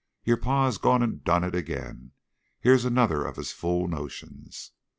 Yore pa has gone an' done it again. Here's another of his fool notions."